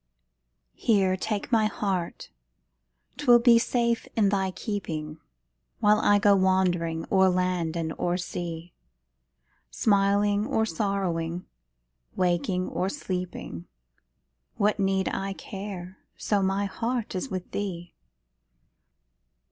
Here, take my heart 'twill be safe in thy keeping, While I go wandering o'er land and o'er sea; Smiling or sorrowing, waking or sleeping, What need I care, so my heart is with thee?